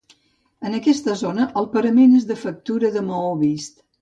En aquesta zona el parament és de factura de maó vist.